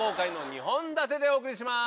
２本立てでお送りします！